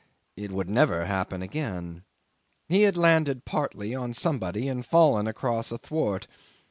It would never happen again. He had landed partly on somebody and fallen across a thwart.